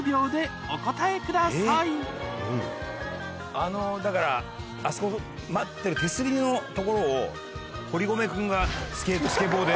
あのだからあそこ待ってる手すりの所を堀米君がスケボーで。